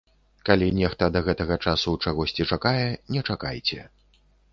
Калі нехта да гэтага часу чагосьці чакае, не чакайце.